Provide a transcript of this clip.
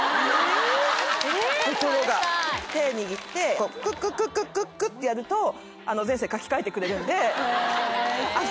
手を握ってクックックッてやると前世書き換えてくれるんで。